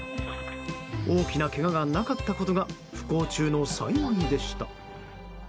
大きなけががなかったことが不幸中の幸いでした。